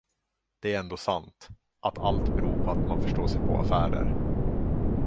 Det är ändå sant, att allt beror på att man förstår sig på affärer.